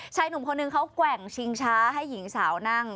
หนุ่มคนนึงเขาแกว่งชิงช้าให้หญิงสาวนั่ง